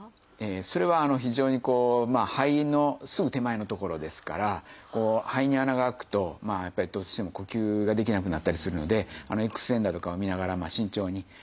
それは非常にこう肺のすぐ手前の所ですから肺に穴が開くとやっぱりどうしても呼吸ができなくなったりするのでＸ線だとかを見ながら慎重にやらないといけないですね。